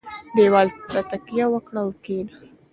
دېوال ته تکیه وکړه او کښېنه.